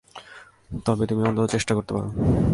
তবে তুমি অন্তত চেষ্টা করতে পারো।